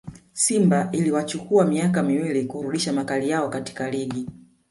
simba iliwachukua miaka miwili kurudisha makali yao katika ligi